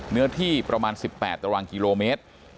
เนื้อที่ประมาณ๑๘กิโลเมตร